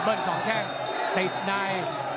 เบิ้ลของแข็งติดใน